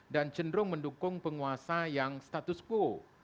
dan cenderung mendukung penguasa yang status quo